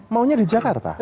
maunya di jakarta